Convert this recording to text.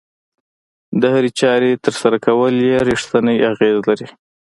د هرې چارې ترسره کول يې رېښتینی اغېز لري.